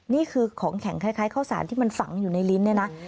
นี่คือของแข็งคล้ายข้าวสารที่มันฝังอยู่ในลิ้นเนี่ยนะ